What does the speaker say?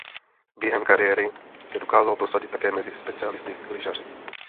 Během kariéry se dokázal prosadit také mezi specialisty lyžaři.